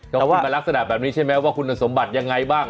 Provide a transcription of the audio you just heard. เขาพูดมาลักษณะแบบนี้ใช่ไหมว่าคุณสมบัติยังไงบ้าง